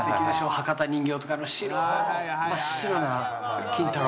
博多人形とかあの白の真っ白な金太郎。